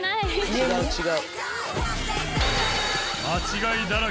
違う違う。